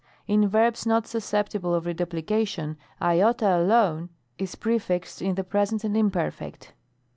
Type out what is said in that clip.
In verbs not susceptible of reduplication, Iota* alone is prefixed in the Present and Imperfect.